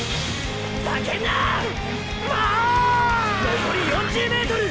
残り４０ｍ！